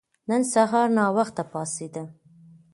نن سهار ناوخته پاڅیدم.